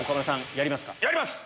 やります！